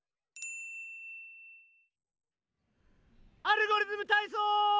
「アルゴリズムたいそう」！